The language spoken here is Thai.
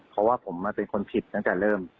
เพราะว่าผมเป็นคนผิดตั้งแต่เริ่ม